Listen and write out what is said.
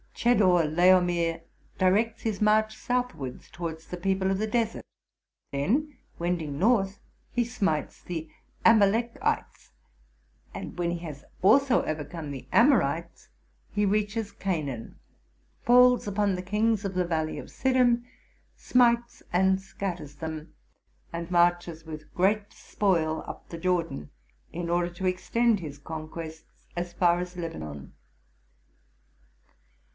Chedor Laomer directs his march southwards towards the people of the Desert; then, wending north, he smites the Amalekites ; and. when he has also overcome the Amorites, he reaches Canaan, falls upon the kings of the valley of Siddim, smites and scatters them, and marches with great spoil up the Jordan, in order to extend his con quests as far as Lebanon.